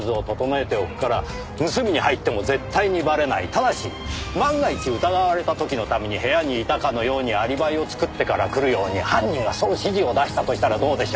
ただし万が一疑われた時のために部屋にいたかのようにアリバイを作ってから来るように犯人がそう指示を出したとしたらどうでしょう？